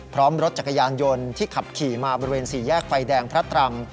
พร้อมรถจักรยานยนต์ที่ขับขี่มาบริเวณสี่แยกไฟแดงพระตรัง